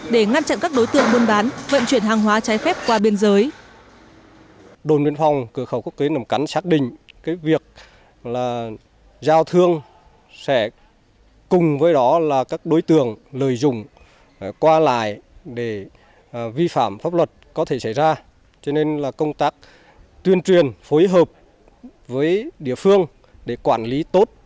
để ngăn chặn các đối tượng buôn bán vận chuyển hàng hóa trái phép qua biên giới